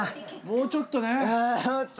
うんちょっとね。